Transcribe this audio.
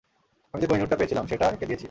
আমি যে কোহিনূর টা পেয়েছিলাম, সেটা একে দিয়েছি।